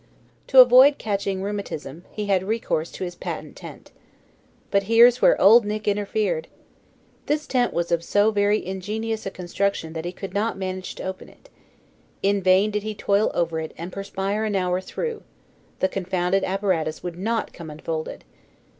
To avoid catching rheumatism, he had recourse to his patent tent. But here's where Old Nick interfered! This tent was of so very ingenious a construction that he could not manage to open it. In vain did he toil over it and perspire an hour through the confounded apparatus would not come unfolded.